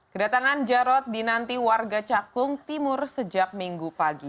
kedatangan jarod dinanti warga cakung timur sejak minggu pagi